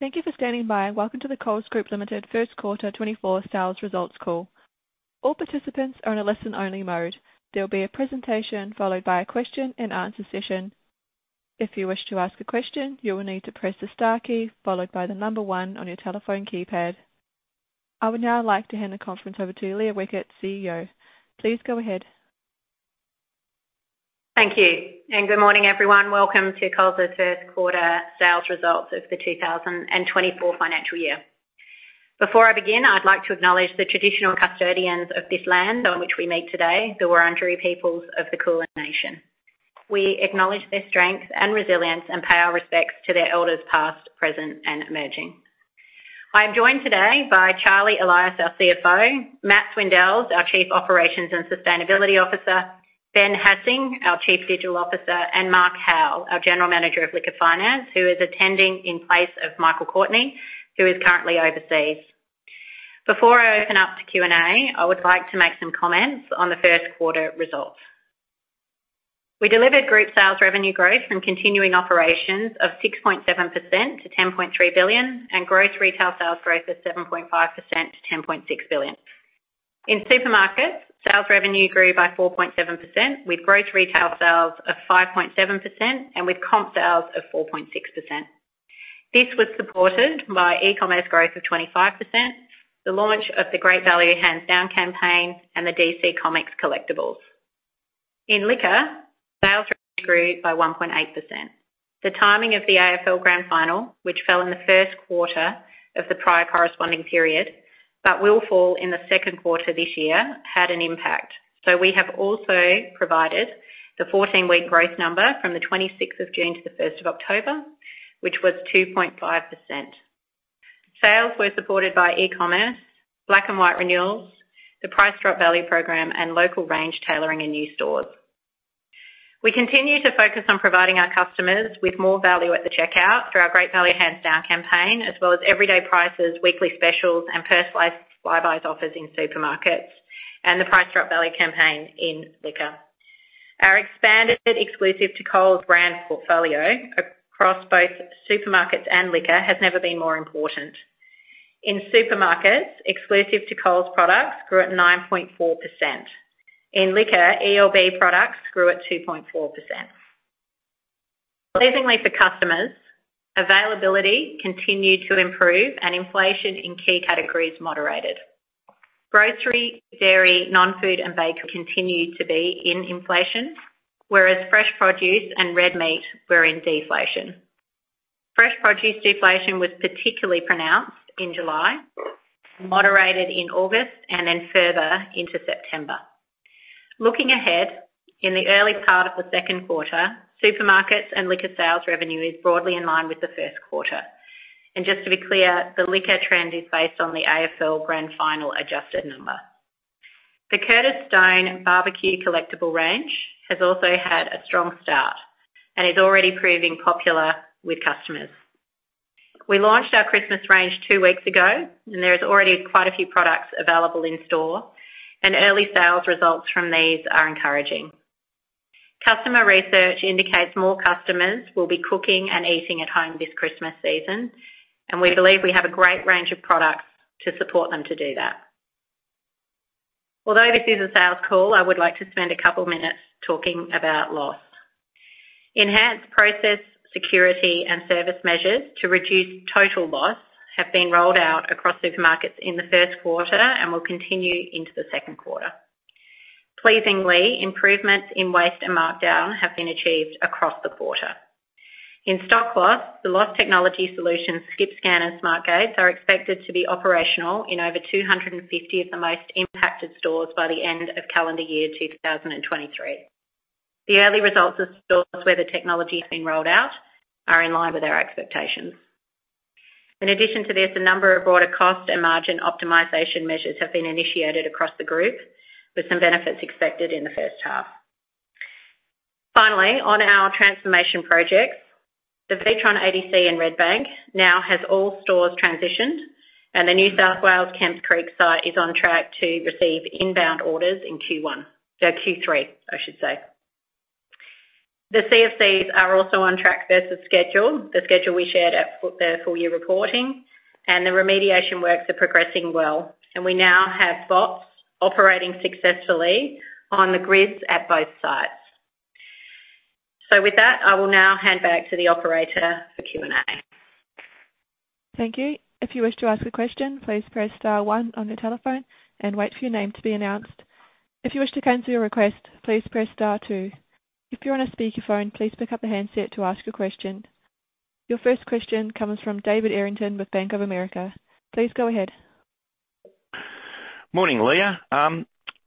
Thank you for standing by, and welcome to the Coles Group Limited Q1 2024 Sales Results Call. All participants are in a listen-only mode. There will be a presentation followed by a question-and-answer session. If you wish to ask a question, you will need to press the star key followed by the number one on your telephone keypad. I would now like to hand the conference over to Leah Weckert, CEO. Please go ahead. Thank you, and good morning, everyone. Welcome to Coles's Q1 Results Of The 2024 Financial Year. Before I begin, I'd like to acknowledge the traditional custodians of this land on which we meet today, the Wurundjeri peoples of the Kulin Nation. We acknowledge their strength and resilience and pay our respects to their elders past, present, and emerging. I am joined today by Charlie Elias, our CFO, Matt Swindells, our Chief Operations and Sustainability Officer, Ben Hassing, our Chief Digital Officer, and Mark Howell, our General Manager of Liquor Finance, who is attending in place of Michael Courtney, who is currently overseas. Before I open up to Q&A, I would like to make some comments on Q1 results. We delivered group sales revenue growth from continuing operations of 6.7% to 10.3 billion, and gross retail sales growth of 7.5% to 10.6 billion. In supermarkets, sales revenue grew by 4.7%, with gross retail sales of 5.7% and with comp sales of 4.6%. This was supported by e-commerce growth of 25%, the launch of the Great Value Hands Down campaign, and the DC Comics collectibles. In liquor, sales grew by 1.8%. The timing of the AFL Grand Final, which fell in Q1 of the prior corresponding period, but will fall in the second quarter this year, had an impact. So we have also provided the 14-week growth number from the 26th of June to the 1st of October, which was 2.5%. Sales were supported by E-commerce, Black and White renewals, the Price Drop Value program, and local range tailoring in new stores. We continue to focus on providing our customers with more value at the checkout through our Great Value Hands Down campaign, as well as everyday prices, weekly specials, and personalized Flybuys offers in supermarkets and the Price Drop Value campaign in liquor. Our expanded Exclusive to Coles brand portfolio across both supermarkets and liquor has never been more important. In supermarkets, Exclusive to Coles products grew at 9.4%. In liquor, ELB products grew at 2.4%. Pleasingly for customers, availability continued to improve and inflation in key categories moderated. Grocery, dairy, non-food, and bakery continued to be in inflation, whereas fresh produce and red meat were in deflation. Fresh produce deflation was particularly pronounced in July, moderated in August, and then further into September. Looking ahead, in the early part of Q2, supermarkets and liquor sales revenue is broadly in line with Q1. And just to be clear, the liquor trend is based on the AFL Grand Final adjusted number. The Curtis Stone Barbecue collectible range has also had a strong start and is already proving popular with customers. We launched our Christmas range two weeks ago, and there is already quite a few products available in store, and early sales results from these are encouraging. Customer research indicates more customers will be cooking and eating at home this Christmas season, and we believe we have a great range of products to support them to do that. Although this is a sales call, I would like to spend a couple minutes talking about loss. Enhanced process, security, and service measures to reduce total loss have been rolled out across supermarkets in Q1 and will continue into Q2. Pleasingly, improvements in waste and markdown have been achieved across the quarter. In stock loss, the loss technology solutions, Skip Scan and Smart Gate, are expected to be operational in over 250 of the most impacted stores by the end of calendar year 2023. The early results of stores where the technology has been rolled out are in line with our expectations. In addition to this, a number of broader cost and margin optimization measures have been initiated across the group, with some benefits expected in the first half. Finally, on our transformation projects, the WITRON ADC in Redbank now has all stores transitioned, and the New South Wales Kemps Creek site is on track to receive inbound orders in Q1... Q3, I should say. The CFCs are also on track versus schedule, the schedule we shared at the full year reporting, and the remediation works are progressing well, and we now have bots operating successfully on the grids at both sites. So with that, I will now hand back to the operator for Q&A. Thank you. If you wish to ask a question, please press star one on your telephone and wait for your name to be announced. If you wish to cancel your request, please press star two. If you're on a speakerphone, please pick up the handset to ask your question. Your first question comes from David Errington with Bank of America. Please go ahead. Morning, Leah.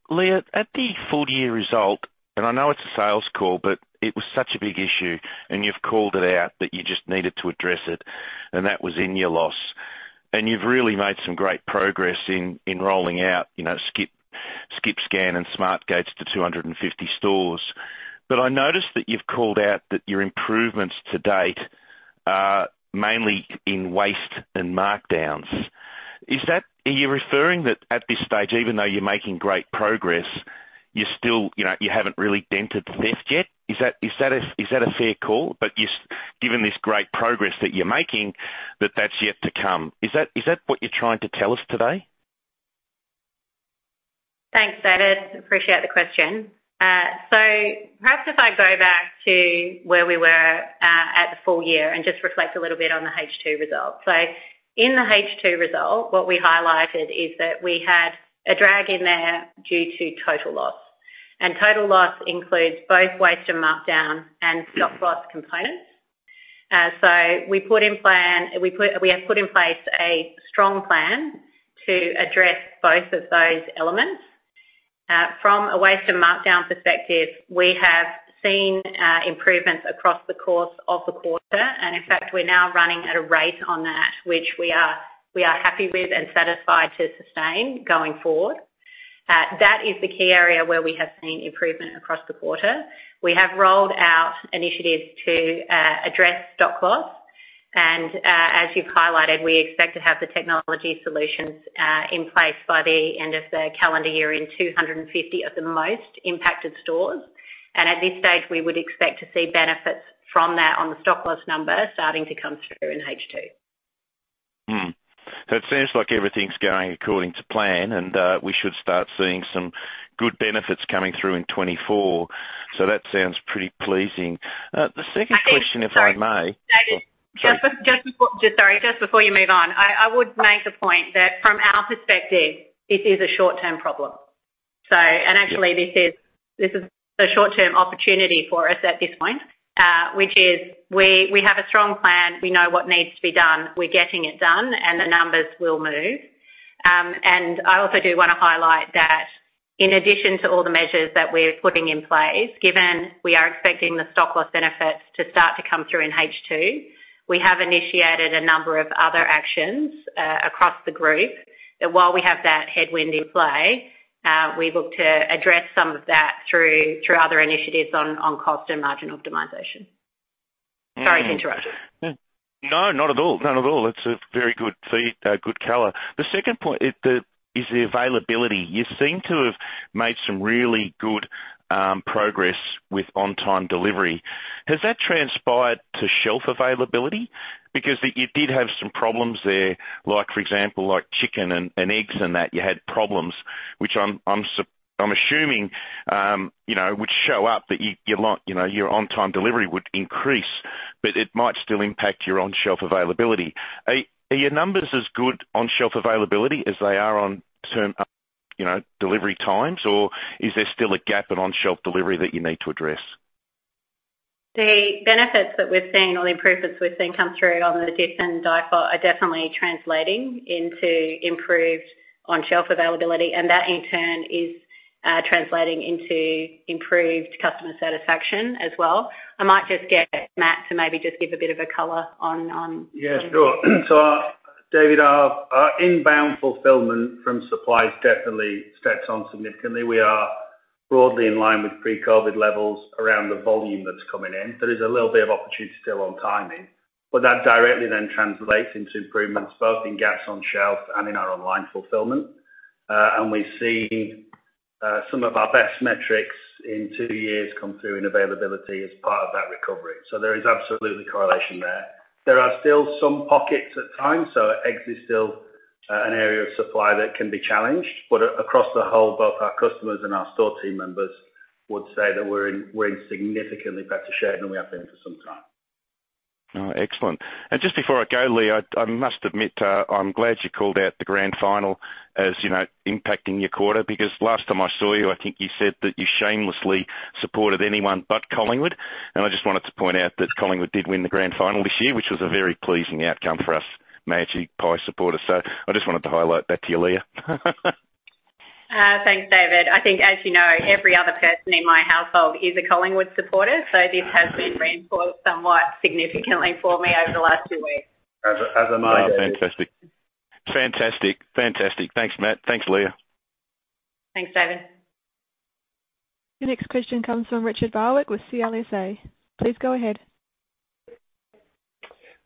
Leah, at the full year result, and I know it's a sales call, but it was such a big issue, and you've called it out that you just needed to address it, and that was in your loss. And you've really made some great progress in, in rolling out, you know, Skip scan and Smart gate to 250 stores. But I noticed that you've called out that your improvements to date are mainly in waste and markdowns.... Is that, are you referring that at this stage, even though you're making great progress, you're still, you know, you haven't really dented the theft yet? Is that, is that a, is that a fair call? But you-- given this great progress that you're making, that that's yet to come. Is that, is that what you're trying to tell us today? Thanks, David. Appreciate the question. So perhaps if I go back to where we were at the full year and just reflect a little bit on the H2 results. So in the H2 result, what we highlighted is that we had a drag in there due to total loss. And total loss includes both waste and markdown and stock loss components. So we have put in place a strong plan to address both of those elements. From a waste and markdown perspective, we have seen improvements across the course of the quarter, and in fact, we're now running at a rate on that which we are happy with and satisfied to sustain going forward. That is the key area where we have seen improvement across the quarter. We have rolled out initiatives to address stock loss, and as you've highlighted, we expect to have the technology solutions in place by the end of the calendar year in 250 of the most impacted stores. At this stage, we would expect to see benefits from that on the stock loss number starting to come through in H2. So it seems like everything's going according to plan, and we should start seeing some good benefits coming through in 2024. So that sounds pretty pleasing. The second question, if I may- David, just before—sorry, just before you move on, I would make the point that from our perspective, this is a short-term problem. And actually, this is a short-term opportunity for us at this point, which is we have a strong plan. We know what needs to be done, we're getting it done, and the numbers will move. And I also do want to highlight that in addition to all the measures that we're putting in place, given we are expecting the stock loss benefits to start to come through in H2, we have initiated a number of other actions across the group, that while we have that headwind in play, we look to address some of that through other initiatives on cost and margin optimization. Sorry to interrupt you. No, not at all. Not at all. That's a very good feed, good color. The second point is the availability. You seem to have made some really good progress with on-time delivery. Has that transpired to shelf availability? Because you did have some problems there, like, for example, chicken and eggs and that, you had problems, which I'm assuming, you know, would show up, that you're not—you know, your on-time delivery would increase, but it might still impact your on-shelf availability. Are your numbers as good on shelf availability as they are on-time, you know, delivery times? Or is there still a gap in on-shelf delivery that you need to address? The benefits that we've seen or the improvements we've seen come through on the DIF and DIFOT are definitely translating into improved on-shelf availability, and that, in turn, is translating into improved customer satisfaction as well. I might just get Matt to maybe just give a bit of a color on, Yeah, sure. So David, our inbound fulfillment from suppliers definitely stepped on significantly. We are broadly in line with pre-COVID levels around the volume that's coming in. There is a little bit of opportunity still on timing, but that directly then translates into improvements both in gaps on shelf and in our online fulfillment. And we've seen some of our best metrics in two years come through in availability as part of that recovery. So there is absolutely correlation there. There are still some pockets at times, so eggs is still an area of supply that can be challenged. But across the whole, both our customers and our store team members would say that we're in, we're in significantly better shape than we have been for some time. Oh, excellent. And just before I go, Leah, I must admit, I'm glad you called out the Grand Final, as you know, impacting your quarter, because last time I saw you, I think you said that you shamelessly supported anyone but Collingwood. And I just wanted to point out that Collingwood did win the Grand Final this year, which was a very pleasing outcome for us, Magpie supporters. So I just wanted to highlight that to you, Leah. Thanks, David. I think, as you know, every other person in my household is a Collingwood supporter, so this has been reinforced somewhat significantly for me over the last two weeks. As am I. Fantastic. Fantastic, fantastic. Thanks, Matt. Thanks, Leah. Thanks, David. The next question comes from Richard Barwick with CLSA. Please go ahead.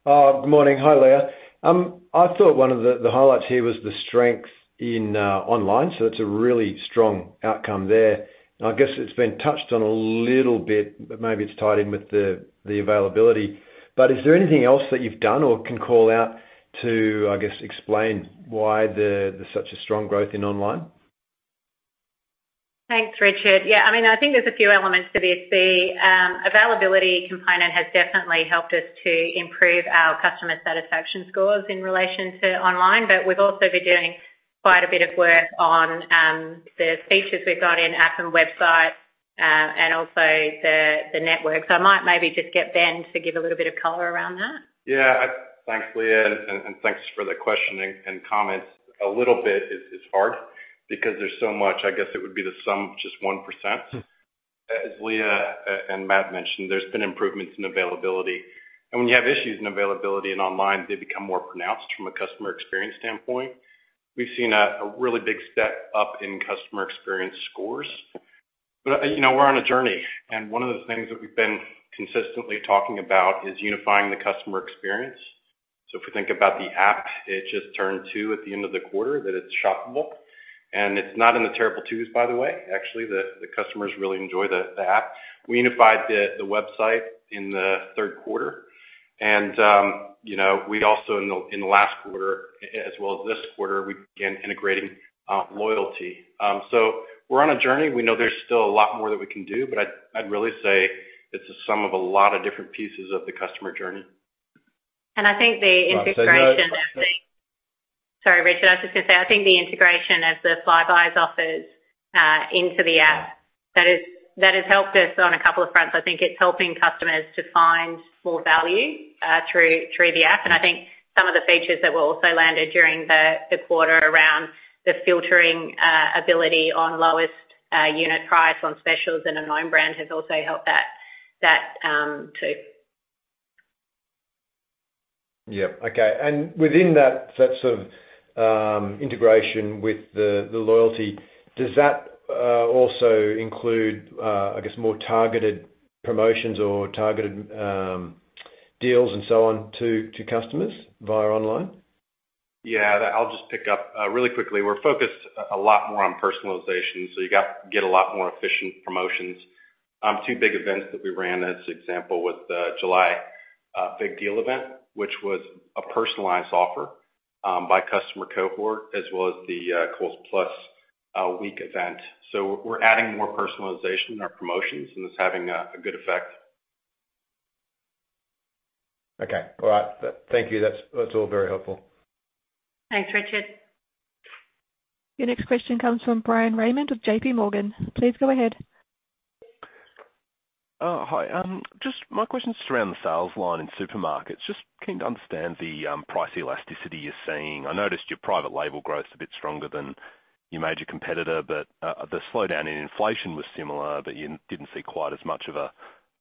Good morning. Hi, Leah. I thought one of the, the highlights here was the strength in, online, so it's a really strong outcome there. I guess it's been touched on a little bit, but maybe it's tied in with the, the availability. Is there anything else that you've done or can call out to, I guess, explain why there's such a strong growth in online? Thanks, Richard. Yeah, I mean, I think there's a few elements to this. The availability component has definitely helped us to improve our customer satisfaction scores in relation to online, but we've also been doing quite a bit of work on the features we've got in app and website, and also the network. So I might maybe just get Ben to give a little bit of color around that. Yeah. Thanks, Leah, and thanks for the question and comments. A little bit is hard because there's so much. I guess it would be the sum, just 1%. As Leah and Matt mentioned, there's been improvements in availability, and when you have issues in availability and online, they become more pronounced from a customer experience standpoint. We've seen a really big step up in customer experience scores. But, you know, we're on a journey, and one of the things that we've been consistently talking about is unifying the customer experience. So if we think about the app, it just turned two at the end of the quarter, that it's shoppable. And it's not in the terrible twos, by the way. Actually, the customers really enjoy the app. We unified the website in Q3, and, you know, we also in the last quarter, as well as this quarter, we began integrating loyalty. So we're on a journey. We know there's still a lot more that we can do, but I, I'd really say it's a sum of a lot of different pieces of the customer journey. I think the integration- Sorry, go ahead. Sorry, Richard. I was just gonna say, I think the integration of the Flybuys offers into the app, that has helped us on a couple of fronts. I think it's helping customers to find more value through the app. And I think some of the features that were also landed during the quarter around the filtering ability on lowest unit price on specials and a no-name brand has also helped that too. Yep. Okay. Within that sort of integration with the loyalty, does that also include, I guess, more targeted promotions or targeted deals and so on to customers via online? Yeah, that I'll just pick up, really quickly. We're focused a lot more on personalization, so you get a lot more efficient promotions. Two big events that we ran as example was the July Big Deal event, which was a personalized offer, by customer cohort, as well as the Coles Plus week event. So we're adding more personalization in our promotions, and it's having a good effect. Okay. All right. Thank you. That's, that's all very helpful. Thanks, Richard. Your next question comes from Bryan Raymond with JP Morgan. Please go ahead. Hi. Just my question is around the sales line in supermarkets. Just keen to understand the price elasticity you're seeing. I noticed your private label growth is a bit stronger than your major competitor, but the slowdown in inflation was similar, but you didn't see quite as much of a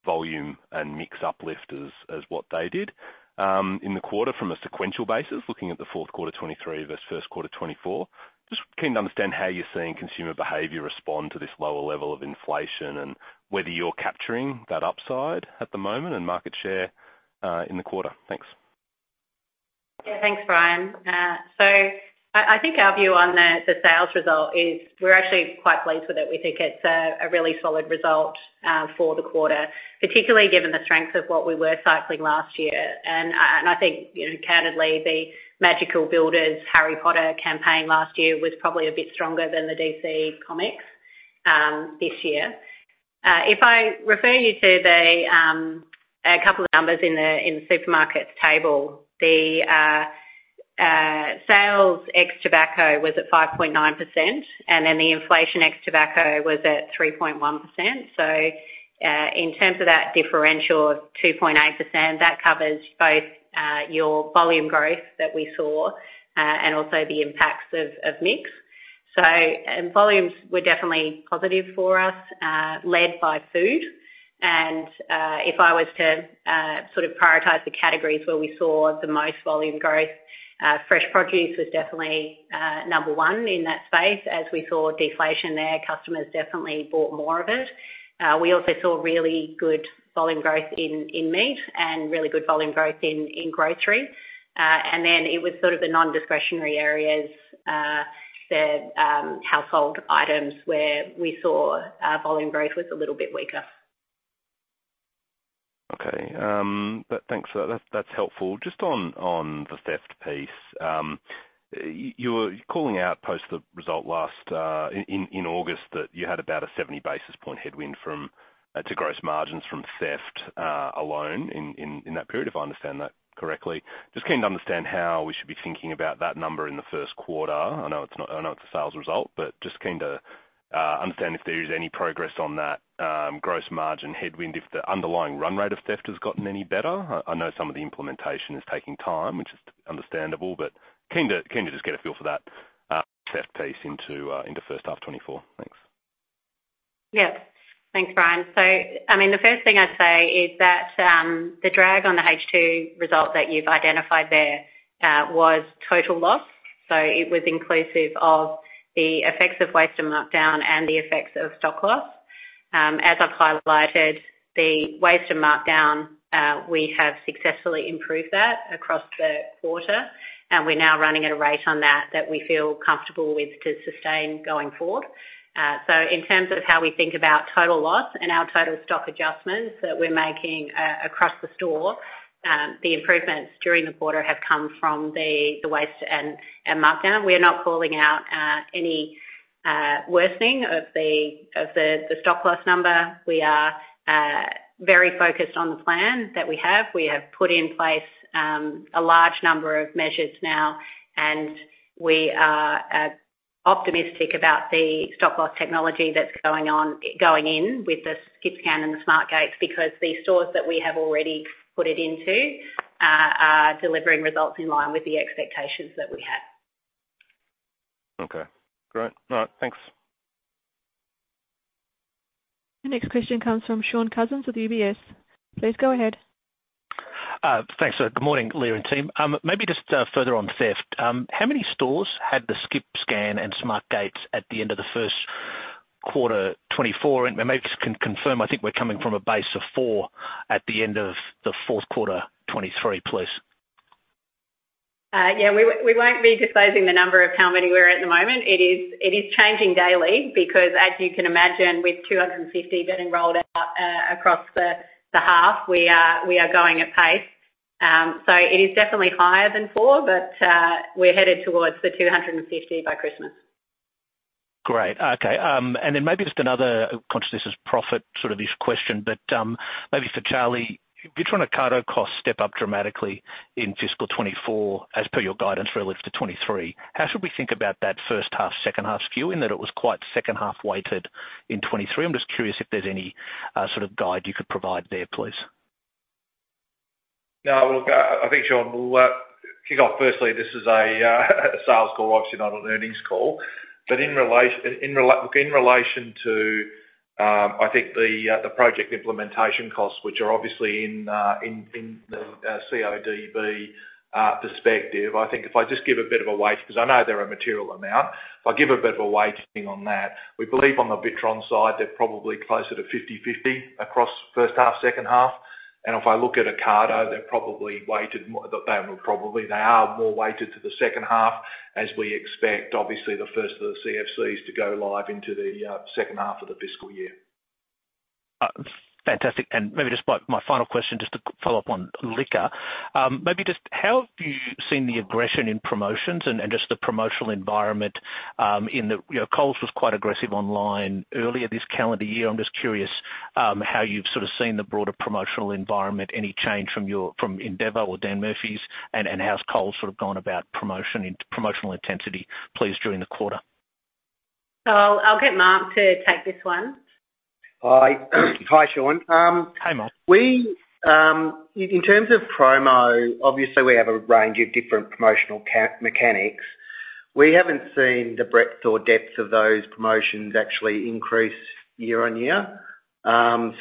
volume and mix uplift as what they did. In the quarter, from a sequential basis, looking at Q4 2023 versus Q1 2024, just keen to understand how you're seeing consumer behavior respond to this lower level of inflation and whether you're capturing that upside at the moment and market share in the quarter. Thanks. Yeah, thanks, Bryan. So I think our view on the sales result is we're actually quite pleased with it. We think it's a really solid result for the quarter, particularly given the strength of what we were cycling last year. And I think, you know, candidly, the Magical Builders Harry Potter campaign last year was probably a bit stronger than the DC Comics this year. If I refer you to a couple of numbers in the supermarkets table, the sales ex tobacco was at 5.9%, and then the inflation ex tobacco was at 3.1%. So in terms of that differential of 2.8%, that covers both your volume growth that we saw and also the impacts of mix. Volumes were definitely positive for us, led by food. If I was to sort of prioritize the categories where we saw the most volume growth, fresh produce was definitely number one in that space. As we saw deflation there, customers definitely bought more of it. We also saw really good volume growth in meat and really good volume growth in grocery. Then it was sort of the non-discretionary areas, the household items, where we saw volume growth was a little bit weaker. Okay. But thanks for that. That's helpful. Just on the theft piece, you were calling out post the result last in August, that you had about a 70 basis point headwind from to gross margins from theft alone in that period, if I understand that correctly. Just keen to understand how we should be thinking about that number in Q1. I know it's not—I know it's a sales result, but just keen to understand if there is any progress on that gross margin headwind, if the underlying run rate of theft has gotten any better. I know some of the implementation is taking time, which is understandable, but keen to just get a feel for that theft piece into first half 2024. Thanks. Yeah. Thanks, Bryan. So, I mean, the first thing I'd say is that, the drag on the H2 result that you've identified there, was total loss. So it was inclusive of the effects of waste and markdown and the effects of stock loss. As I've highlighted, the waste and markdown, we have successfully improved that across the quarter, and we're now running at a rate on that that we feel comfortable with to sustain going forward. So in terms of how we think about total loss and our total stock adjustments that we're making across the store, the improvements during the quarter have come from the waste and markdown. We are not calling out any worsening of the stock loss number. We are very focused on the plan that we have. We have put in place a large number of measures now, and we are optimistic about the Stock Loss technology that's going in with the Skip Scan and the Smart Gate, because the stores that we have already put it into are delivering results in line with the expectations that we had. Okay, great. All right, thanks. The next question comes from Shaun Cousins with UBS. Please go ahead.... Thanks. Good morning, Leah and team. Maybe just further on theft. How many stores had the Skip Scan and Smart Gate at the end of Q1, 2024? And maybe just confirm, I think we're coming from a base of four at the end of Q4 2023, please. Yeah, we won't be disclosing the number of how many we're at at the moment. It is changing daily because, as you can imagine, with 250 getting rolled out across the half, we are going at pace. So it is definitely higher than four, but we're headed towards the 250 by Christmas. Great. Okay, and then maybe just another conscious as profit sort of this question, but, maybe for Charlie, WITRON, Ocado costs step up dramatically in fiscal 2024, as per your guidance relative to 2023. How should we think about that first half, second half skew, in that it was quite second half weighted in 2023? I'm just curious if there's any, sort of guide you could provide there, please. No, look, I, I think, Shaun, we'll kick off. Firstly, this is a sales call, obviously not an earnings call. But in relation to, I think the project implementation costs, which are obviously in the CODB perspective, I think if I just give a bit of a weight, because I know they're a material amount, if I give a bit of a weighting on that, we believe on the WITRON side, they're probably closer to 50/50 across first half, second half. And if I look at Ocado, they're probably weighted more—they were probably, they are more weighted to the second half, as we expect, obviously, the first of the CFCs to go live into the second half of the fiscal year. Fantastic. And maybe just my, my final question, just to follow up on liquor. Maybe just how have you seen the aggression in promotions and, and just the promotional environment, in the... You know, Coles was quite aggressive online earlier this calendar year. I'm just curious, how you've sort of seen the broader promotional environment, any change from your, from Endeavour or Dan Murphy's? And, and how's Coles sort of gone about promotion in-promotional intensity, please, during the quarter? I'll get Mark to take this one. Hi. Hi, Shaun. Hi, Mark. We in terms of promo, obviously we have a range of different promotional mechanics. We haven't seen the breadth or depth of those promotions actually increase year-on-year. So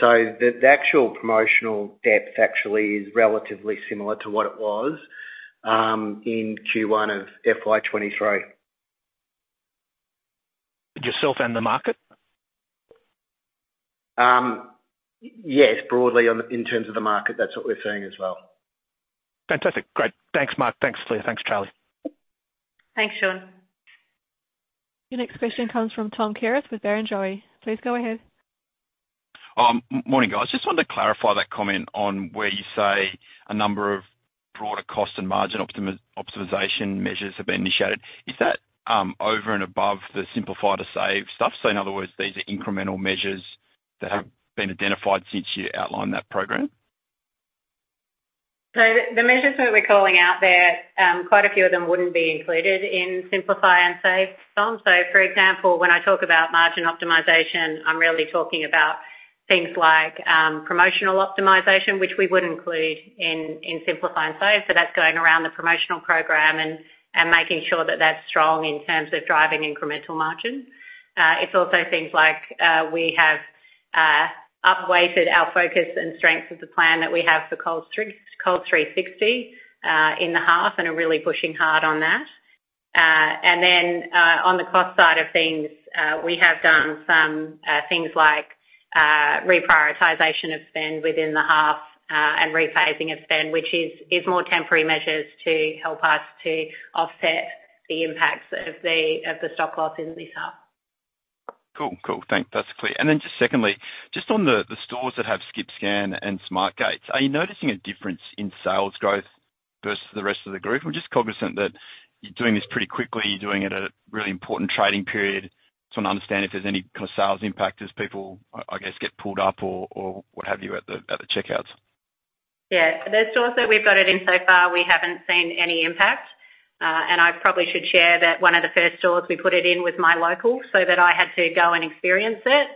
the actual promotional depth actually is relatively similar to what it was in Q1 of FY 2023. Yourself and the market? Yes, broadly, on the in terms of the market, that's what we're seeing as well. Fantastic. Great. Thanks, Mark. Thanks, Leah. Thanks, Charlie. Thanks, Shaun. Your next question comes from Tom Kierath with Barrenjoey. Please go ahead. Morning, guys. Just wanted to clarify that comment on where you say a number of broader cost and margin optimization measures have been initiated. Is that, over and above the Simplify and Save stuff? So in other words, these are incremental measures that have been identified since you outlined that program. So the measures that we're calling out there, quite a few of them wouldn't be included in Simplify and Save, Tom. So, for example, when I talk about margin optimization, I'm really talking about things like, promotional optimization, which we would include in Simplify and Save. So that's going around the promotional program and making sure that that's strong in terms of driving incremental margin. It's also things like, we have upweighted our focus and strength of the plan that we have for Coles 360 in the half, and are really pushing hard on that. And then, on the cost side of things, we have done some things like reprioritization of spend within the half, and rephasing of spend, which is more temporary measures to help us to offset the impacts of the stock loss in this half. Cool, cool. Thanks. That's clear. And then just secondly, just on the stores that have Skip Scan and Smart Gate, are you noticing a difference in sales growth versus the rest of the group? I'm just cognizant that you're doing this pretty quickly. You're doing it at a really important trading period. Just want to understand if there's any kind of sales impact as people, I guess, get pulled up or what have you at the checkouts. Yeah. The stores that we've got it in so far, we haven't seen any impact. I probably should share that one of the first stores we put it in was my local, so that I had to go and experience it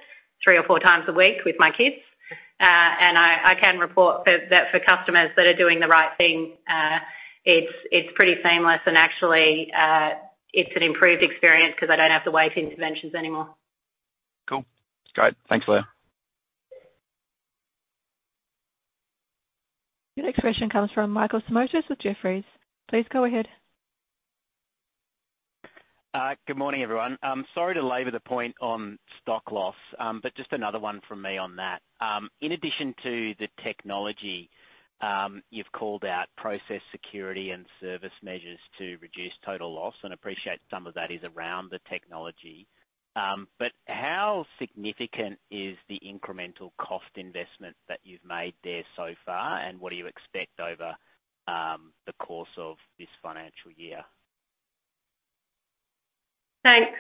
three or four times a week with my kids. I can report that for customers that are doing the right thing, it's pretty seamless and actually, it's an improved experience because I don't have to wait for interventions anymore. Cool. That's great. Thanks, Leah. Your next question comes from Michael Simotas with Jefferies. Please go ahead. Good morning, everyone. I'm sorry to labor the point on Stock Loss, but just another one from me on that. In addition to the technology, you've called out process security and service measures to reduce total loss, and appreciate some of that is around the technology. But how significant is the incremental cost investment that you've made there so far, and what do you expect over the course of this financial year? Thanks,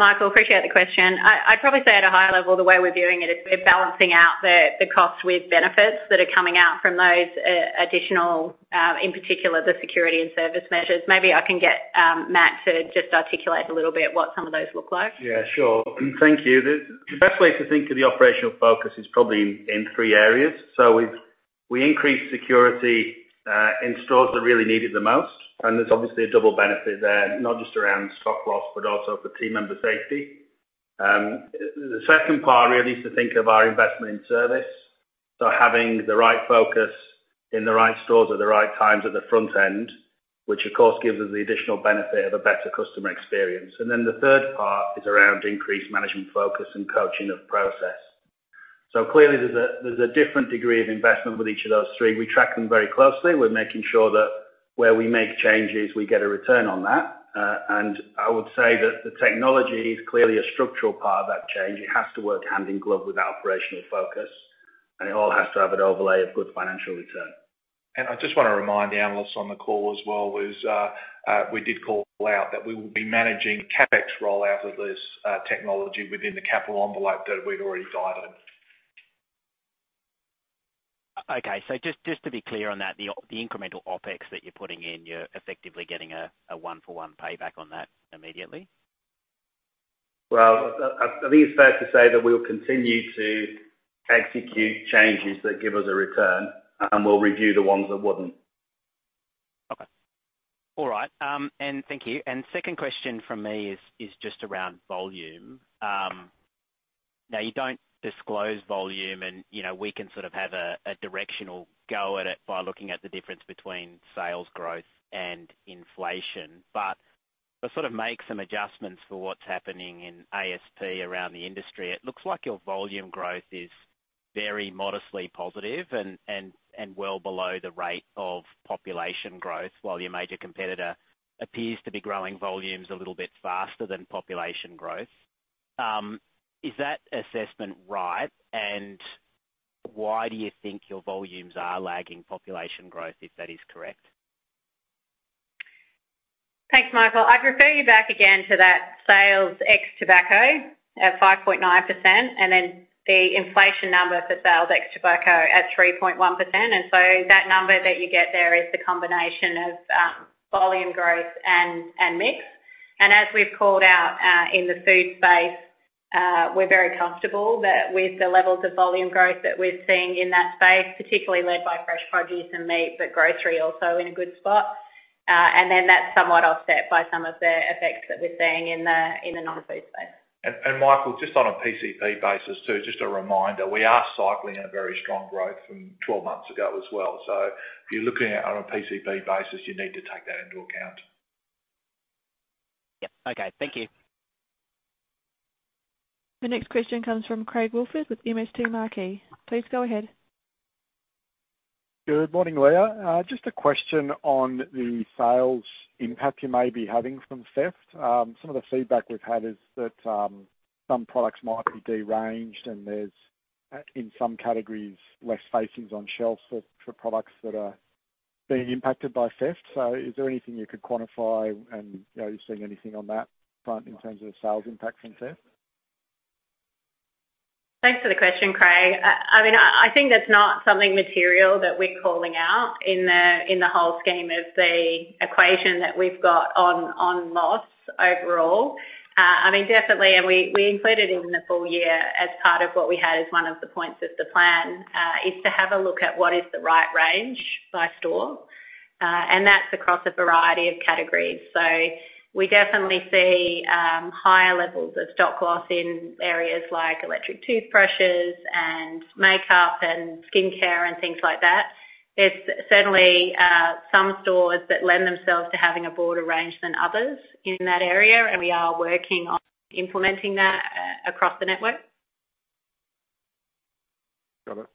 Michael. Appreciate the question. I'd probably say at a high level, the way we're doing it is we're balancing out the costs with benefits that are coming out from those additional, in particular, the security and service measures. Maybe I can get Matt to just articulate a little bit what some of those look like. Yeah, sure. Thank you. The best way to think of the operational focus is probably in three areas. So we've increased security in stores that really need it the most, and there's obviously a double benefit there, not just around stock loss, but also for team member safety.... The second part really is to think of our investment in service. So having the right focus in the right stores at the right times at the front end, which of course gives us the additional benefit of a better customer experience. And then the third part is around increased management focus and coaching of process. So clearly, there's a different degree of investment with each of those three. We track them very closely. We're making sure that where we make changes, we get a return on that. And I would say that the technology is clearly a structural part of that change. It has to work hand in glove with our operational focus, and it all has to have an overlay of good financial return. I just want to remind the analysts on the call as well, we did call out that we will be managing CapEx rollout of this technology within the capital envelope that we'd already guided. Okay, so just to be clear on that, the incremental OpEx that you're putting in, you're effectively getting a one-for-one payback on that immediately? Well, I think it's fair to say that we'll continue to execute changes that give us a return, and we'll review the ones that wouldn't. Okay. All right, and thank you. And second question from me is just around volume. Now, you don't disclose volume, and, you know, we can sort of have a directional go at it by looking at the difference between sales growth and inflation. But to sort of make some adjustments for what's happening in ASP around the industry, it looks like your volume growth is very modestly positive and well below the rate of population growth, while your major competitor appears to be growing volumes a little bit faster than population growth. Is that assessment right? And why do you think your volumes are lagging population growth, if that is correct? Thanks, Michael. I'd refer you back again to that sales ex tobacco at 5.9%, and then the inflation number for sales ex tobacco at 3.1%. So that number that you get there is the combination of volume growth and mix. As we've called out in the food space, we're very comfortable that with the levels of volume growth that we're seeing in that space, particularly led by fresh produce and meat, but grocery also in a good spot. Then that's somewhat offset by some of the effects that we're seeing in the non-food space. Michael, just on a PCP basis, too, just a reminder, we are cycling a very strong growth from 12 months ago as well. So if you're looking at it on a PCP basis, you need to take that into account. Yep. Okay. Thank you. The next question comes from Craig Woolford with MST Marquee. Please go ahead. Good morning, Leah. Just a question on the sales impact you may be having from theft. Some of the feedback we've had is that some products might be rearranged, and there's in some categories less facings on shelves for products that are being impacted by theft. So is there anything you could quantify, and are you seeing anything on that front in terms of sales impact from theft? Thanks for the question, Craig. I mean, I think that's not something material that we're calling out in the whole scheme of the equation that we've got on loss overall. I mean, definitely, and we included it in the full year as part of what we had as one of the points of the plan is to have a look at what is the right range by store, and that's across a variety of categories. So we definitely see higher levels of stock loss in areas like electric toothbrushes and makeup and skincare and things like that. There's certainly some stores that lend themselves to having a broader range than others in that area, and we are working on implementing that across the network. Got it.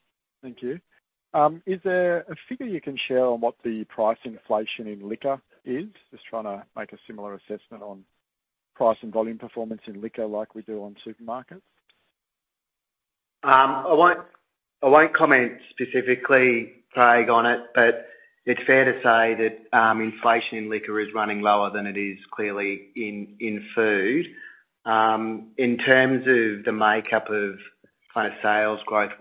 Thank you. Is there a figure you can share on what the price inflation in Liquor is? Just trying to make a similar assessment on price and volume performance in Liquor, like we do on Supermarkets. I won't, I won't comment specifically, Craig, on it, but it's fair to say that inflation in liquor is running lower than it is clearly in food. In terms of the makeup of kind of sales growth,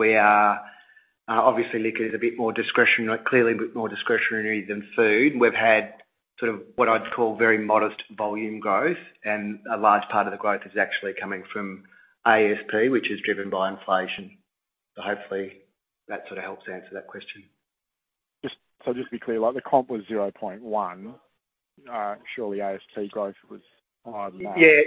obviously liquor is a bit more discretionary, clearly a bit more discretionary than food. We've had sort of what I'd call very modest volume growth, and a large part of the growth is actually coming from ASP, which is driven by inflation. So hopefully that sort of helps answer that question. So, just to be clear, like, the comp was 0.1. Surely ASP growth was higher than that. Yeah.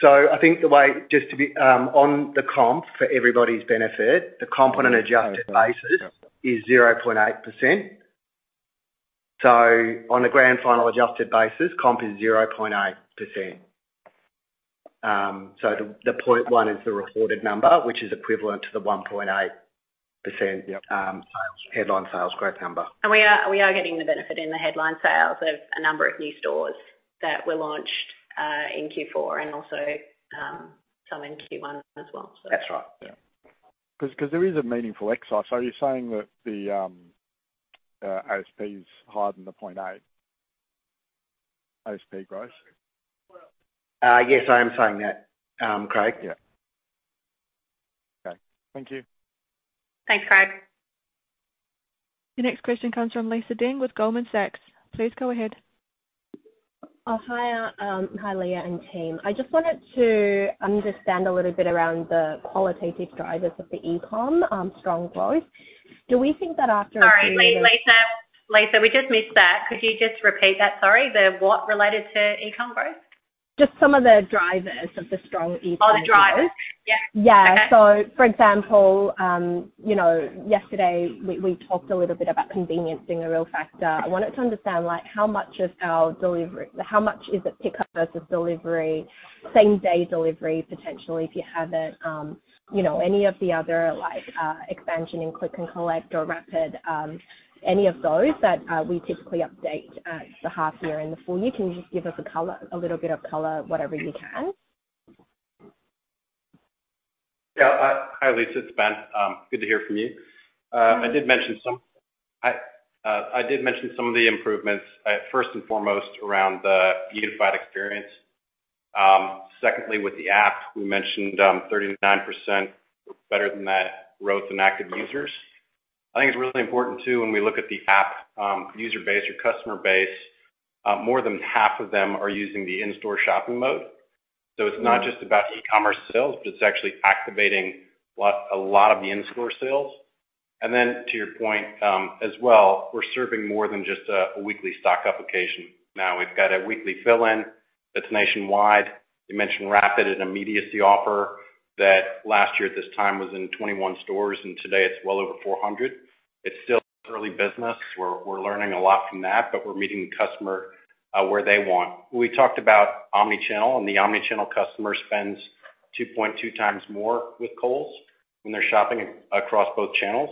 So I think the way just to be on the comp, for everybody's benefit, the comp on an adjusted basis is 0.8%. So on a grand final adjusted basis, comp is 0.8%. So the point one is the recorded number, which is equivalent to the 1.8%- Yep. sales, headline sales growth number. We are getting the benefit in the headline sales of a number of new stores that were launched in Q4 and also some in Q1 as well. That's right. Yeah. 'Cause there is a meaningful excise. Are you saying that the ASP is higher than the 0.8 ASP growth? Yes, I am saying that, Craig. Yeah. Okay. Thank you. Thanks, Craig. The next question comes from Lisa Deng with Goldman Sachs. Please go ahead. Hi, Leah and team. I just wanted to understand a little bit around the qualitative drivers of the e-com strong growth. Do we think that after a period of- ...Lisa, we just missed that. Could you just repeat that? Sorry, the what related to e-com growth? Just some of the drivers of the strong e-com- Oh, the drivers? Yeah. Yeah. Okay. So, for example, you know, yesterday we, we talked a little bit about convenience being a real factor. I wanted to understand, like, how much of our delivery—how much is it pickup versus delivery, same-day delivery, potentially, if you have it, you know, any of the other, like, expansion in click and collect or Rapid, any of those that, we typically update at the half year and the full year. Can you just give us a color—a little bit of color, whatever you can? Yeah. Hi, Lisa, it's Ben. Good to hear from you. I did mention some of the improvements, first and foremost, around the unified experience. Secondly, with the app, we mentioned 39%, better than that, growth in active users. I think it's really important, too, when we look at the app user base or customer base, more than half of them are using the in-store shopping mode. So it's not just about e-commerce sales, but it's actually activating a lot of the in-store sales. And then to your point, as well, we're serving more than just a weekly stock application. Now, we've got a weekly fill-in that's nationwide. You mentioned Rapid, an immediacy offer, that last year at this time was in 21 stores, and today it's well over 400. It's still early business. We're learning a lot from that, but we're meeting the customer where they want. We talked about Omni-channel, and the omni-channel customer spends 2.2 times more with Coles when they're shopping across both channels.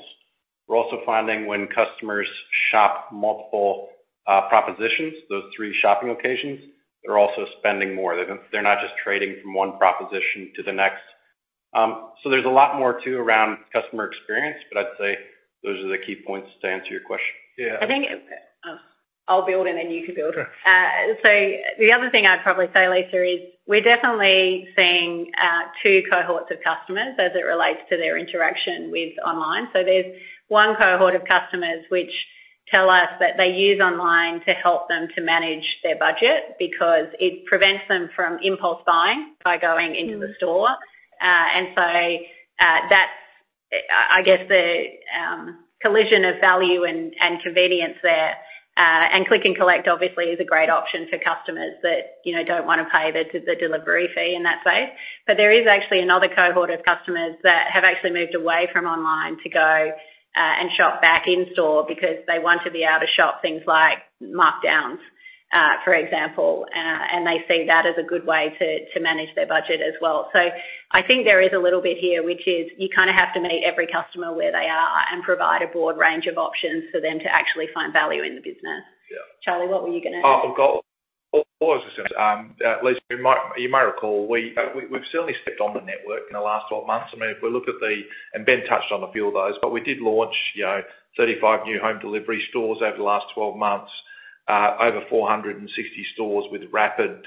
We're also finding when customers shop multiple propositions, those three shopping occasions, they're also spending more. They're not just trading from one proposition to the next. So there's a lot more, too, around customer experience, but I'd say those are the key points to answer your question. Yeah. I think, I'll build, and then you can build. Sure. The other thing I'd probably say, Lisa, is we're definitely seeing two cohorts of customers as it relates to their interaction with online. There's one cohort of customers which tell us that they use online to help them to manage their budget because it prevents them from impulse buying by going- Mm-hmm... into the store. And so, that's, I guess, the collision of value and convenience there. And click and collect, obviously, is a great option for customers that, you know, don't want to pay the delivery fee in that way. But there is actually another cohort of customers that have actually moved away from online to go and shop back in store because they want to be able to shop things like markdowns, for example. And they see that as a good way to manage their budget as well. So I think there is a little bit here, which is you kind of have to meet every customer where they are and provide a broad range of options for them to actually find value in the business. Yeah. Charlie, what were you gonna add? Lisa, you might recall, we've certainly stepped on the network in the last 12 months. I mean, if we look at the, and Ben touched on a few of those, but we did launch, you know, 35 new home delivery stores over the last 12 months, over 460 stores with Rapid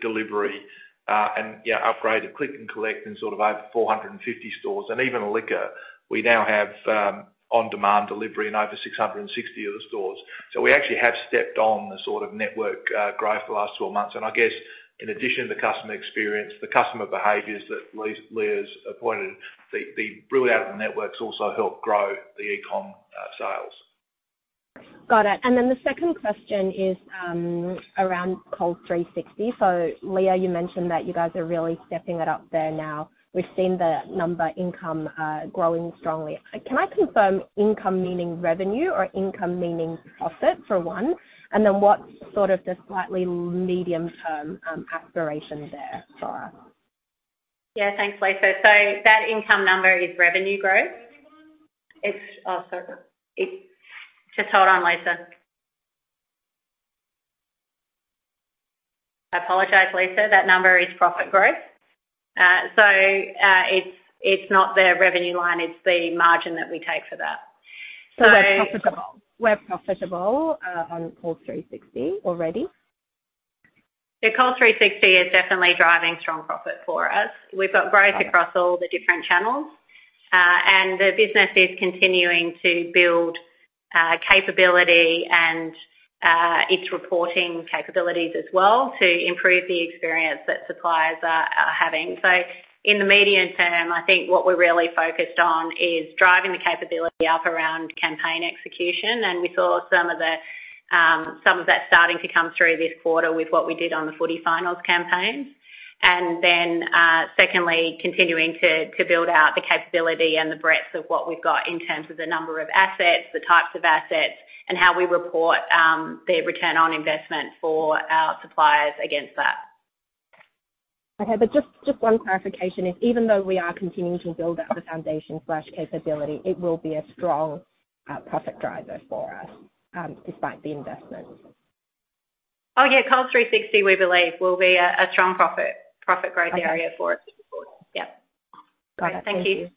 delivery, and, yeah, upgraded click and collect in sort of over 450 stores. And even liquor, we now have on-demand delivery in over 660 of the stores. So we actually have stepped on the sort of network growth the last 12 months. And I guess, in addition to the customer experience, the customer behaviors that Leah's appointed, the rollout of the networks also helped grow the e-com sales. Got it. And then the second question is, around Coles 360. So Leah, you mentioned that you guys are really stepping it up there now. We've seen the number income, growing strongly. Can I confirm income meaning revenue or income meaning profit, for one? And then what's sort of the slightly medium-term, aspiration there for us? Yeah, thanks, Lisa. So that income number is revenue growth. It's, sorry. Just hold on, Lisa. I apologize, Lisa. That number is profit growth. So, it's not the revenue line, it's the margin that we take for that. So- So we're profitable, we're profitable, on Coles 360 already? The Coles 360 is definitely driving strong profit for us. Got it. We've got growth across all the different channels, and the business is continuing to build capability and its reporting capabilities as well, to improve the experience that suppliers are having. So in the medium term, I think what we're really focused on is driving the capability up around campaign execution, and we saw some of that starting to come through this quarter with what we did on the Footy finals campaign. And then, secondly, continuing to build out the capability and the breadth of what we've got in terms of the number of assets, the types of assets, and how we report the return on investment for our suppliers against that. Okay, but just, just one clarification, is even though we are continuing to build out the foundation capability, it will be a strong profit driver for us, despite the investment? Oh, yeah. Coles 360, we believe, will be a strong profit growth- Okay... area for us. Yeah. Got it. Thank you. Thank you.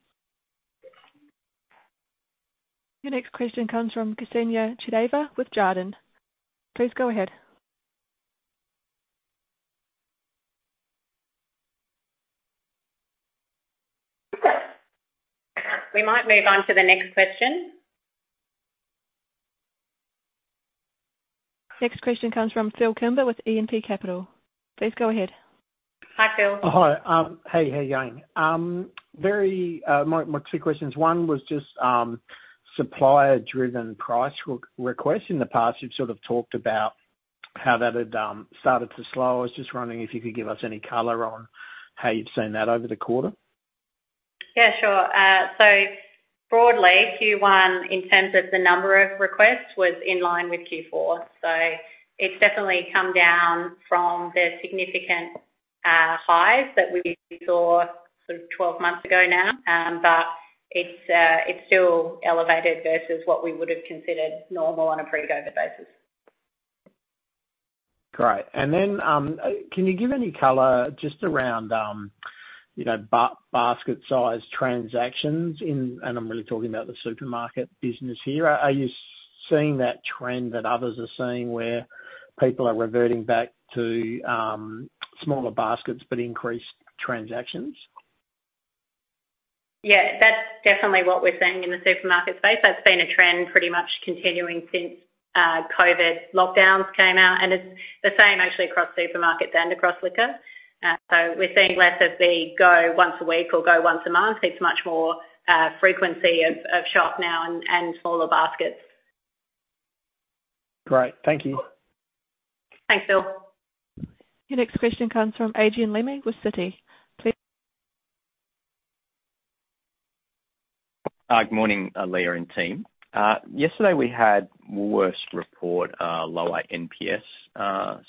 Your next question comes from Kseniya Chudaeva with Jarden. Please go ahead. We might move on to the next question.... Next question comes from Phil Kimber with E&P Capital. Please go ahead. Hi, Phil. Hi. Hey, how are you going? My two questions. One was just supplier-driven price re-request. In the past, you've sort of talked about how that had started to slow. I was just wondering if you could give us any color on how you've seen that over the quarter. Yeah, sure. So broadly, Q1, in terms of the number of requests, was in line with Q4. So it's definitely come down from the significant highs that we saw sort of 12 months ago now. But it's still elevated versus what we would have considered normal on a pre-COVID basis. Great. And then, can you give any color just around, you know, basket size transactions in and I'm really talking about the supermarket business here. Are you seeing that trend that others are seeing where people are reverting back to smaller baskets but increased transactions? Yeah, that's definitely what we're seeing in the supermarket space. That's been a trend pretty much continuing since COVID lockdowns came out, and it's the same actually across supermarket and across liquor. So we're seeing less of the go once a week or go once a month. It's much more frequency of shop now and smaller baskets. Great. Thank you. Thanks, Phil. Your next question comes from Adrian Lemme with Citi. Please- Good morning, Leah and team. Yesterday, we had Woolworths report lower NPS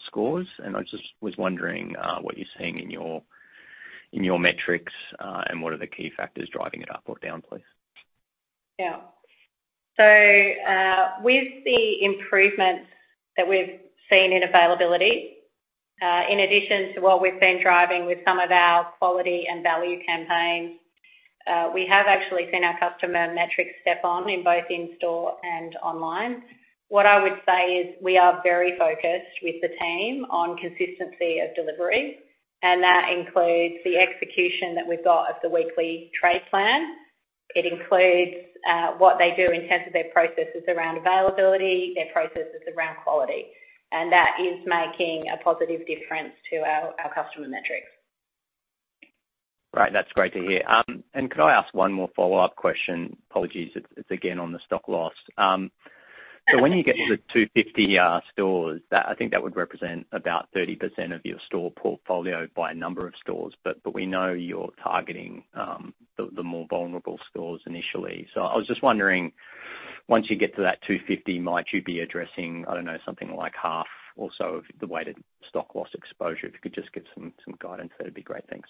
scores, and I just was wondering what you're seeing in your metrics, and what are the key factors driving it up or down, please? Yeah. So, with the improvements that we've seen in availability, in addition to what we've been driving with some of our quality and value campaigns, we have actually seen our customer metrics step on in both in-store and online. What I would say is we are very focused with the team on consistency of delivery, and that includes the execution that we've got of the weekly trade plan. It includes what they do in terms of their processes around availability, their processes around quality, and that is making a positive difference to our, our customer metrics. Great. That's great to hear. And could I ask one more follow-up question? Apologies, it's again on the stock loss. So when you get to the 250 stores, that I think that would represent about 30% of your store portfolio by number of stores. But we know you're targeting the more vulnerable stores initially. So I was just wondering, once you get to that 250, might you be addressing, I don't know, something like half or so of the weighted stock loss exposure? If you could just give some guidance, that'd be great. Thanks.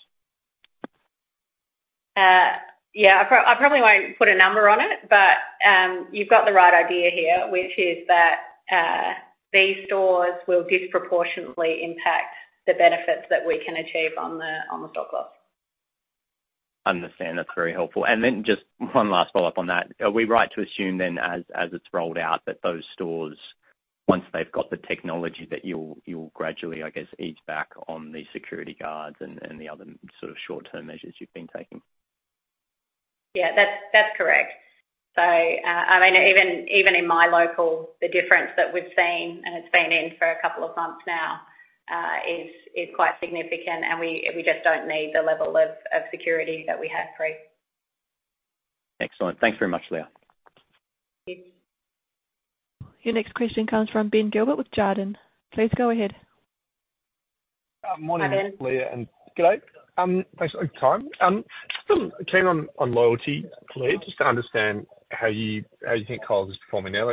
Yeah, I probably won't put a number on it, but you've got the right idea here, which is that these stores will disproportionately impact the benefits that we can achieve on the stock loss. Understand. That's very helpful. And then just one last follow-up on that. Are we right to assume then as, as it's rolled out, that those stores, once they've got the technology, that you'll, you'll gradually, I guess, ease back on the security guards and, and the other sort of short-term measures you've been taking? Yeah, that's correct. So, I mean, even in my local, the difference that we've seen, and it's been in for a couple of months now, is quite significant, and we just don't need the level of security that we had pre. Excellent. Thanks very much, Leah. Thanks. Your next question comes from Ben Gilbert with Jarden. Please go ahead. Uh, morning- Hi, Ben. Leah, good day. Thanks for your time. Just keen on loyalty, Leah, just to understand how you think Coles is performing now.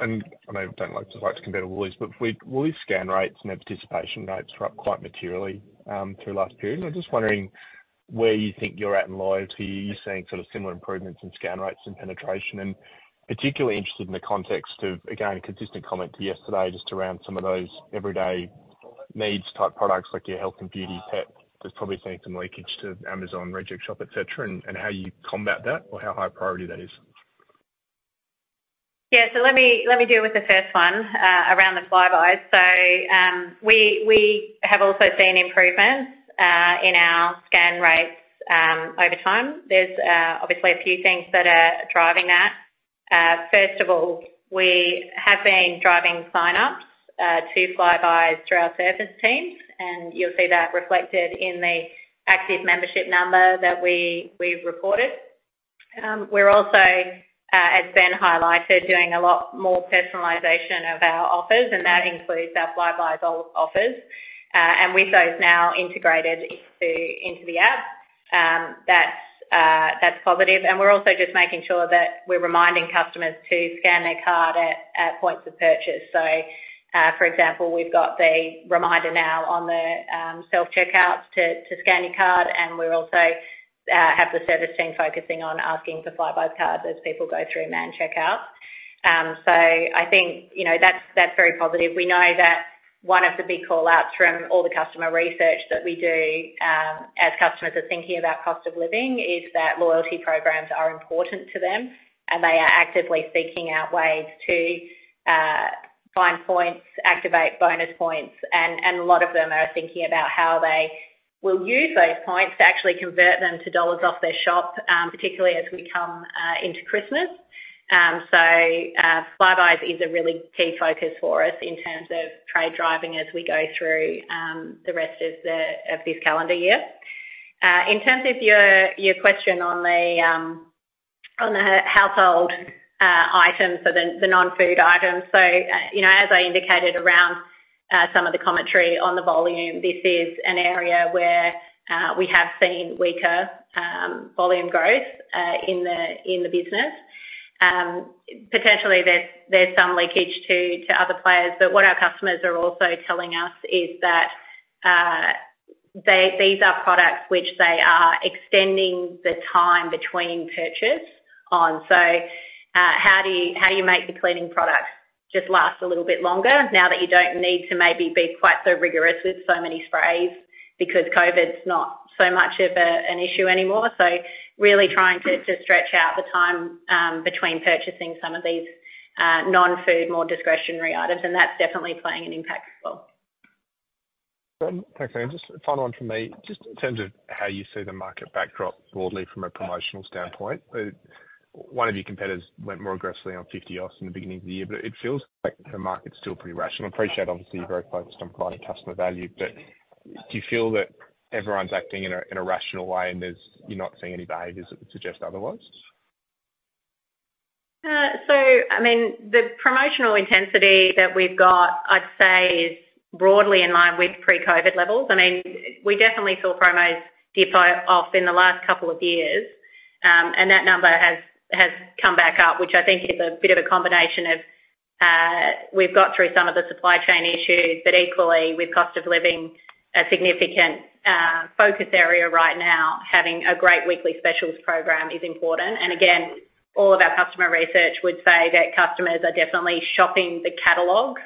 And I know you don't like to compare to Woolies, but with Woolies' scan rates and their participation rates were up quite materially through last period. I'm just wondering where you think you're at in loyalty. Are you seeing sort of similar improvements in scan rates and penetration? And particularly interested in the context of, again, consistent comment to yesterday, just around some of those everyday needs type products like your health and beauty pet, that's probably seeing some leakage to Amazon, Reject Shop, et cetera, and how you combat that or how high a priority that is. Yeah, so let me deal with the first one around the Flybuys. We have also seen improvements in our scan rates over time. There's obviously a few things that are driving that. First of all, we have been driving signups to Flybuys through our service teams, and you'll see that reflected in the active membership number that we've reported. We're also, as Ben highlighted, doing a lot more personalization of our offers, and that includes our Flybuys old offers. And with those now integrated into the app, that's positive. And we're also just making sure that we're reminding customers to scan their card at points of purchase. So, for example, we've got the reminder now on the self-checkouts to scan your card, and we also have the service team focusing on asking for Flybuys cards as people go through manned checkout. So I think, you know, that's very positive. We know that one of the big call outs from all the customer research that we do, as customers are thinking about cost of living, is that loyalty programs are important to them, and they are actively seeking out ways to find points, activate bonus points, and a lot of them are thinking about how they will use those points to actually convert them to dollars off their shop, particularly as we come into Christmas. So, Flybuys is a really key focus for us in terms of trade driving as we go through the rest of this calendar year. In terms of your question on the household items, so the non-food items. So, you know, as I indicated around some of the commentary on the volume, this is an area where we have seen weaker volume growth in the business. Potentially, there's some leakage to other players, but what our customers are also telling us is that these are products which they are extending the time between purchase on. So, how do you, how do you make the cleaning products just last a little bit longer now that you don't need to maybe be quite so rigorous with so many sprays because COVID's not so much of an issue anymore? So really trying to, to stretch out the time between purchasing some of these non-food, more discretionary items, and that's definitely playing an impact as well. Thanks, Anne. Just a final one from me. Just in terms of how you see the market backdrop broadly from a promotional standpoint, one of your competitors went more aggressively on 50 off in the beginning of the year, but it feels like the market's still pretty rational. I appreciate, obviously, you're very focused on client and customer value, but do you feel that everyone's acting in a rational way, and there's, you're not seeing any behaviors that would suggest otherwise? So I mean, the promotional intensity that we've got, I'd say, is broadly in line with pre-COVID levels. I mean, we definitely saw promos dip off in the last couple of years, and that number has come back up, which I think is a bit of a combination of, we've got through some of the supply chain issues, but equally with cost of living, a significant focus area right now, having a great weekly specials program is important. And again, all of our customer research would say that customers are definitely shopping the catalog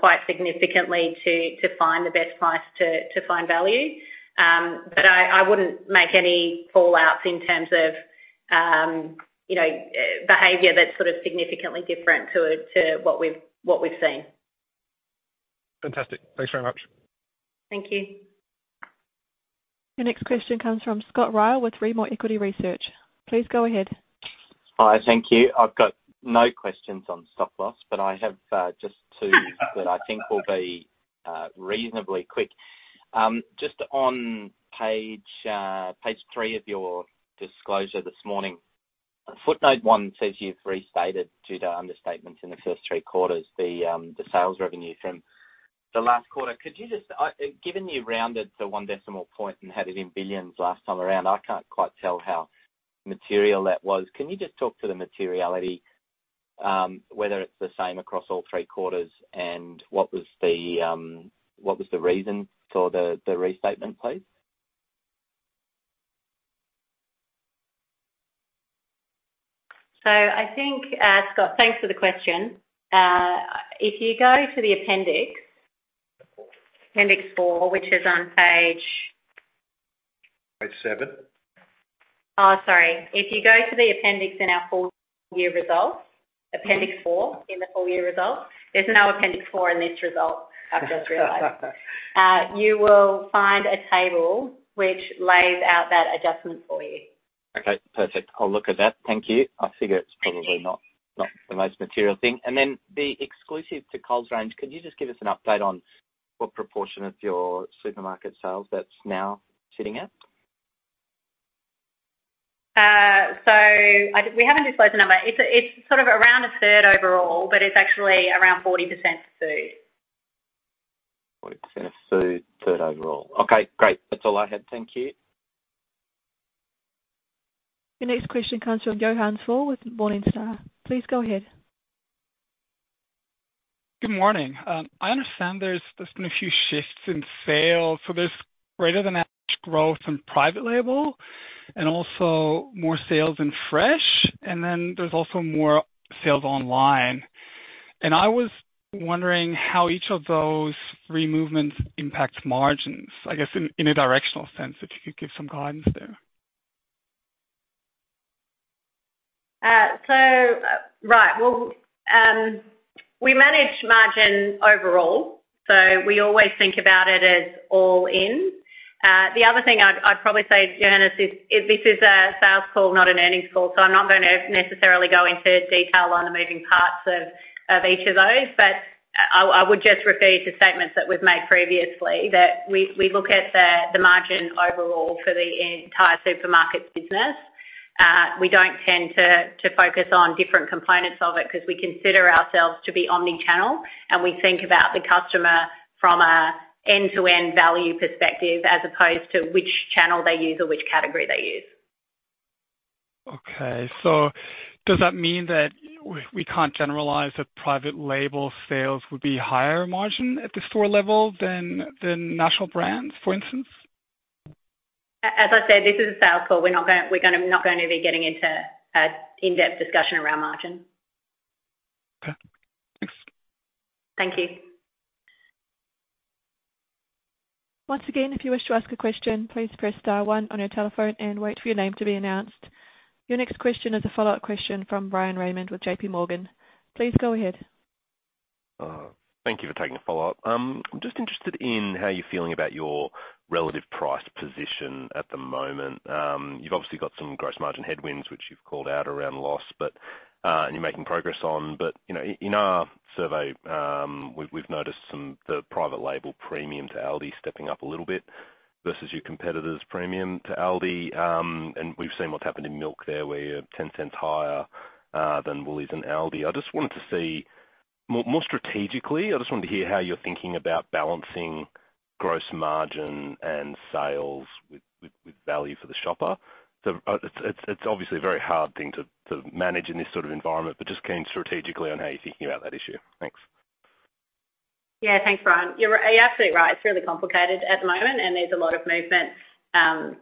quite significantly to find the best price, to find value. But I wouldn't make any call-outs in terms of, you know, behavior that's sort of significantly different to what we've seen. Fantastic. Thanks very much. Thank you. Your next question comes from Scott Ryall with Rimor Equity Research. Please go ahead. Hi, thank you. I've got no questions on stock loss, but I have just two that I think will be reasonably quick. Just on page three of your disclosure this morning, footnote one says you've restated due to understatements in the first three quarters, the sales revenue from the last quarter. Could you just... I, given you rounded to one decimal point and had it in billions last time around, I can't quite tell how material that was. Can you just talk to the materiality, whether it's the same across all three quarters, and what was the reason for the restatement, please? I think, Scott, thanks for the question. If you go to the appendix, Appendix four, which is on page- Page seven. Oh, sorry. If you go to the appendix in our full year results, Appendix four in the full year results, there's no appendix four in this result, I've just realized. You will find a table which lays out that adjustment for you. Okay, perfect. I'll look at that. Thank you. I figure it's probably- Thank you. Not, not the most material thing. And then the exclusive to Coles range, could you just give us an update on what proportion of your supermarket sales that's now sitting at? We haven't disclosed the number. It's sort of around a third overall, but it's actually around 40% food. 40% food, third overall. Okay, great. That's all I had. Thank you. The next question comes from Johannes Faul with Morningstar. Please go ahead. Good morning. I understand there's been a few shifts in sales, so there's greater than average growth in private label and also more sales in fresh, and then there's also more sales online. And I was wondering how each of those three movements impacts margins, I guess in a directional sense, if you could give some guidance there. So, right. Well, we manage margin overall, so we always think about it as all in. The other thing I'd probably say, Johannes, is this is a sales call, not an earnings call, so I'm not gonna necessarily go into detail on the moving parts of each of those. But I would just refer you to statements that we've made previously, that we look at the margin overall for the entire supermarket business. We don't tend to focus on different components of it because we consider ourselves to be omni-channel, and we think about the customer from an end-to-end value perspective, as opposed to which channel they use or which category they use. Okay, so does that mean that we can't generalize that private label sales would be higher margin at the store level than national brands, for instance? As I said, this is a sales call. We're not gonna be getting into an in-depth discussion around margin. Okay, thanks. Thank you. Once again, if you wish to ask a question, please press star one on your telephone and wait for your name to be announced. Your next question is a follow-up question from Bryan Raymond with JP Morgan. Please go ahead.... Thank you for taking a follow-up. I'm just interested in how you're feeling about your relative price position at the moment. You've obviously got some gross margin headwinds, which you've called out around loss, but and you're making progress on. But, you know, in our survey, we've noticed some the private label premium to Aldi stepping up a little bit versus your competitors' premium to Aldi. And we've seen what's happened in milk there, where you're 0.10 higher than Woolies and Aldi. I just wanted to see... More strategically, I just wanted to hear how you're thinking about balancing gross margin and sales with value for the shopper. So, it's obviously a very hard thing to manage in this sort of environment, but just keen strategically on how you're thinking about that issue. Thanks. Yeah, thanks, Bryan. You're absolutely right. It's really complicated at the moment, and there's a lot of movement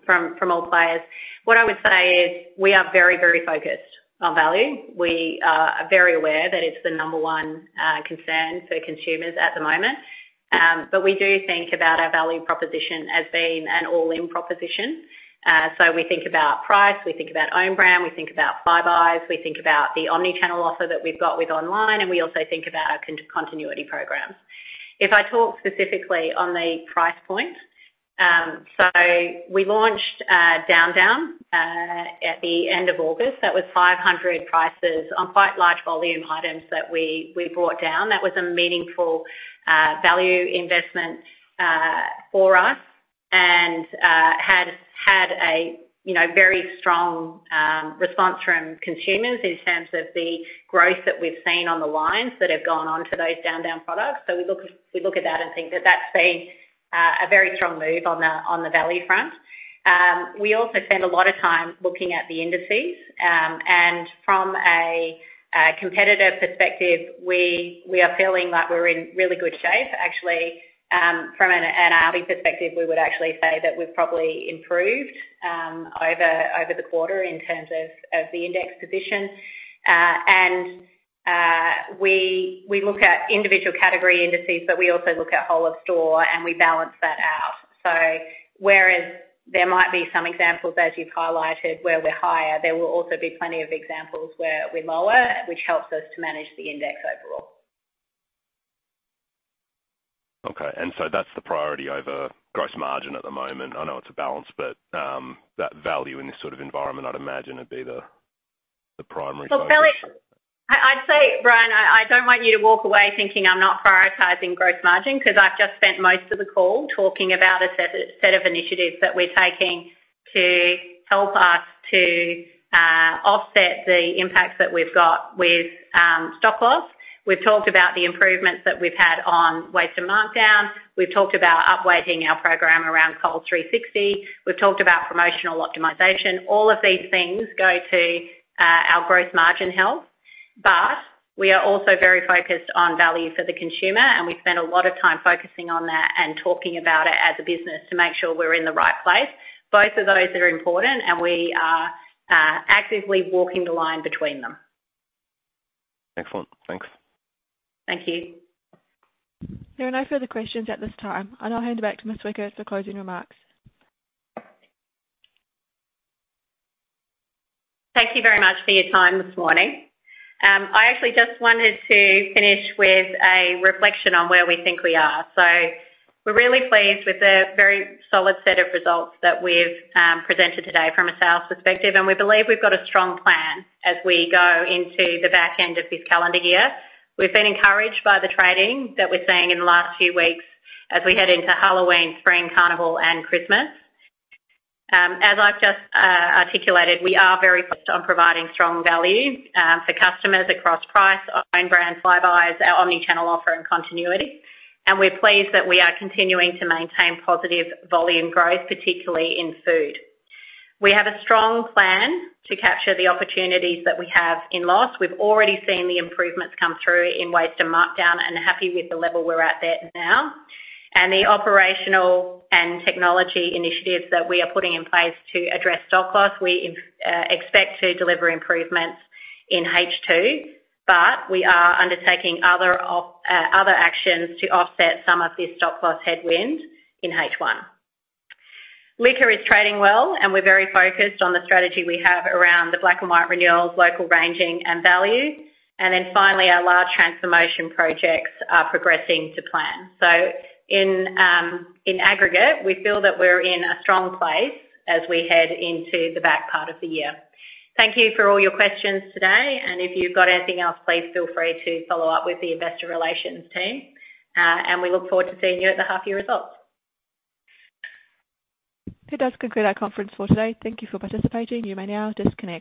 from all players. What I would say is we are very, very focused on value. We are very aware that it's the number one concern for consumers at the moment. But we do think about our value proposition as being an all-in proposition. So we think about price, we think about own brand, we think about Flybuys, we think about the Omni-channel offer that we've got with online, and we also think about our continuity program. If I talk specifically on the price point, so we launched Down Down at the end of August. That was 500 prices on quite large volume items that we brought down. That was a meaningful value investment for us, and had a, you know, very strong response from consumers in terms of the growth that we've seen on the lines that have gone on to those Down Down products. So we look at that and think that that's been a very strong move on the value front. We also spend a lot of time looking at the indices, and from a competitive perspective, we are feeling like we're in really good shape. Actually, from an Aldi perspective, we would actually say that we've probably improved over the quarter in terms of the index position. And we look at individual category indices, but we also look at whole of store, and we balance that out. Whereas there might be some examples, as you've highlighted, where we're higher, there will also be plenty of examples where we're lower, which helps us to manage the index overall. Okay, and so that's the priority over gross margin at the moment. I know it's a balance, but, that value in this sort of environment, I'd imagine, would be the primary focus. Well, Phil, I'd say, Brian, I don't want you to walk away thinking I'm not prioritizing gross margin, because I've just spent most of the call talking about a set of initiatives that we're taking to help us to offset the impacts that we've got with stock loss. We've talked about the improvements that we've had on waste and markdown. We've talked about upweighting our program around Coles 360. We've talked about promotional optimization. All of these things go to our gross margin health, but we are also very focused on value for the consumer, and we've spent a lot of time focusing on that and talking about it as a business to make sure we're in the right place. Both of those are important, and we are actively walking the line between them. Excellent. Thanks. Thank you. There are no further questions at this time, and I'll hand it back to Ms. Weckert for closing remarks. Thank you very much for your time this morning. I actually just wanted to finish with a reflection on where we think we are. We're really pleased with the very solid set of results that we've presented today from a sales perspective, and we believe we've got a strong plan as we go into the back end of this calendar year. We've been encouraged by the trading that we're seeing in the last few weeks as we head into Halloween, Spring Carnival, and Christmas. As I've just articulated, we are very focused on providing strong value for customers across price, own brand, Flybuys, our Omni-channel offer, and continuity. We're pleased that we are continuing to maintain positive volume growth, particularly in food. We have a strong plan to capture the opportunities that we have in loss. We've already seen the improvements come through in waste and markdown, and happy with the level we're at there now. The operational and technology initiatives that we are putting in place to address Stock Loss, we expect to deliver improvements in H2, but we are undertaking other actions to offset some of this Stock Loss headwind in H1. Liquor is trading well, and we're very focused on the strategy we have around the Black and White renewals, local ranging, and value. Finally, our large transformation projects are progressing to plan. So, in aggregate, we feel that we're in a strong place as we head into the back part of the year. Thank you for all your questions today, and if you've got anything else, please feel free to follow up with the investor relations team, and we look forward to seeing you at the half year results. That does conclude our conference for today. Thank you for participating. You may now disconnect.